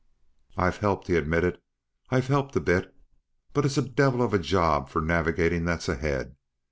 "I've helped," he admitted; "I've helped a bit. But it's a divil of a job of navigatin' that's ahead.